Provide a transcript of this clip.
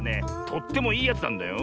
とってもいいやつなんだよ。